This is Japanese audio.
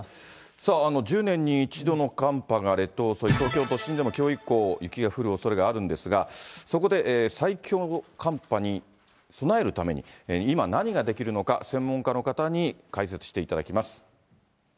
さあ１０年に一度の寒波が列島を襲い、東京都心でもきょう以降、雪が降るおそれがあるんですが、そこで最強寒波に備えるために、今、何ができるのか、専門家の方に解説していただきます。